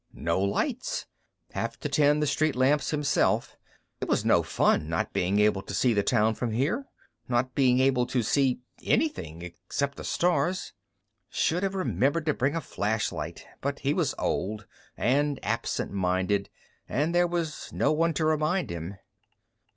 No lights. Have to tend the street lamps himself it was no fun, not being able to see the town from here, not being able to see anything except the stars. Should have remembered to bring a flashlight, but he was old and absentminded, and there was no one to remind him.